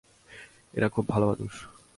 এরা খুব ভালো মানুষ।